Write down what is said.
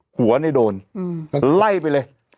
หัวในโดนไล่ไปเลย